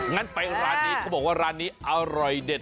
งั้นไปร้านนี้เขาบอกว่าร้านนี้อร่อยเด็ด